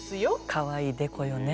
かわいいデコよね。